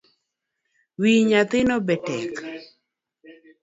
Wi nyathino betek